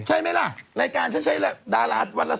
ใช่ไหมล่ะรายการฉันใช้ดาราวันละ๓